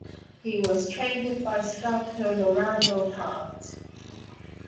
He was trained by sculptor Lorado Taft.